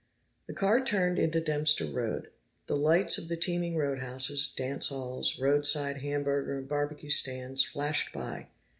The car turned into Dempster Road; the lights of the teeming roadhouses, dance halls, road side hamburger and barbecue stands flashed by.